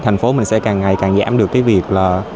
thành phố mình sẽ càng ngày càng giảm được cái việc là